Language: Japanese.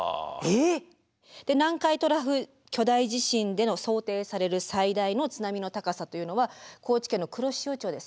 えっ！で南海トラフ巨大地震での想定される最大の津波の高さというのは高知県の黒潮町で３４ｍ。